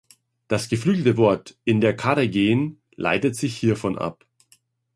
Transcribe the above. Das geflügelte Wort: „in der Karre gehen“, leitet sich hiervon ab.